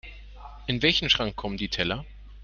In welchen Schrank kommen die Teller?